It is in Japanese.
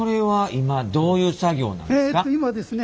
今ですね